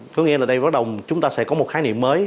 có nghĩa là chúng ta sẽ có một khái niệm mới